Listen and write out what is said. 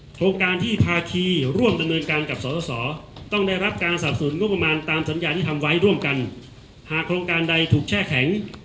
สิทธิ์การที่พาทีร่วมยุ่นฟ้องศรศรต่อสารปกครอง